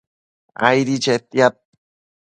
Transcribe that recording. aidi chetiad